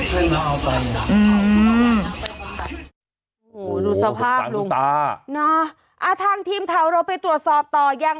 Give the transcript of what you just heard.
ให้มันเอาไปอืมโหดูสภาพลุงตาน่ะอาทางทีมเท้าเราไปตรวจสอบต่อยัง